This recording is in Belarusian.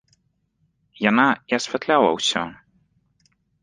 Яна і асвятляла ўсё.